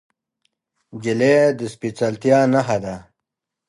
نجلۍ د سپیڅلتیا نښه ده.